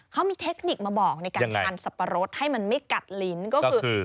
เขามีเทคนิคมาบอกในการทานสับปะรดให้มันไม่กัดลิ้นก็คือ